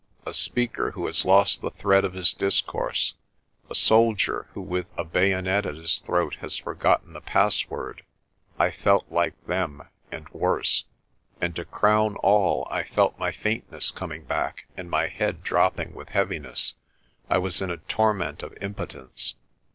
A speaker who has lost the thread of his discourse, a soldier who with a bayonet at his throat has forgotten the password I felt like them, and worse. And to crown all I felt my faintness coming back, and my head dropping with heaviness. I was in a torment of impotence.